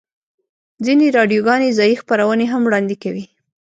ځینې راډیوګانې ځایی خپرونې هم وړاندې کوي